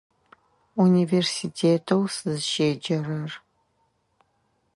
Университетэу сызыщеджэрэр.